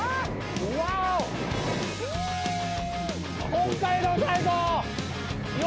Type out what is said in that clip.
北海道、最高！